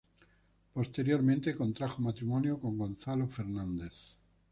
Posteriormente contrajo matrimonio con Gonzalo Fernández.